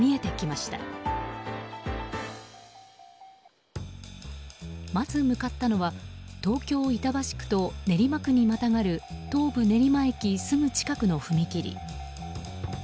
まず向かったのは東京・板橋区と練馬区にまたがる東武練馬駅すぐ近くの踏切。